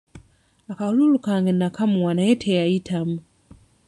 Akalulu kange nnakamuwa naye teyayitamu.